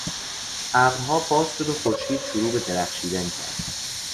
ابرها باز شد و خورشید شروع به درخشیدن کرد.